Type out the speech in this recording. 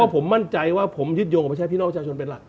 ว่าผมมั่นใจใช้พินอลชาชนเป็นรัก